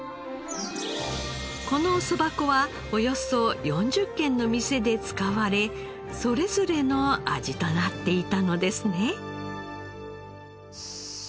このそば粉はおよそ４０軒の店で使われそれぞれの味となっていたのですね。